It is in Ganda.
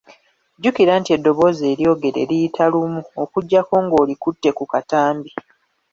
Jjukira nti eddoboozi eryogere liyita lumu, okuggyako ng’olikutte ku katambi .